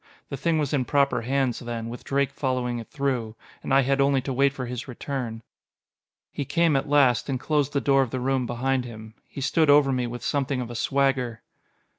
The thing was in proper hands, then, with Drake following it through. And I had only to wait for his return. He came at last, and closed the door of the room behind him. He stood over me with something of a swagger.